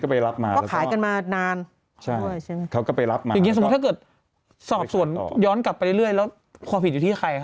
ก็ไปรับมาแน่นานใช่ไหมเขาก็ไปรับพี่อย่างเงียบขูบส่วนน้อยอดไปเรื่อยแล้วความผิดอยู่ที่ใคร